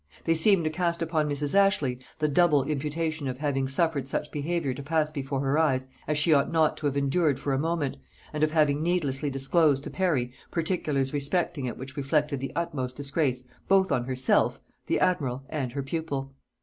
They seem to cast upon Mrs. Ashley the double imputation of having suffered such behaviour to pass before her eyes as she ought not to have endured for a moment, and of having needlessly disclosed to Parry particulars respecting it which reflected the utmost disgrace both on herself, the admiral, and her pupil.